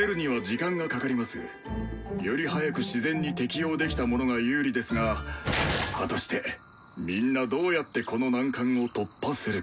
より早く自然に適応できた者が有利ですが果たしてみんなどうやってこの難関を突破するか。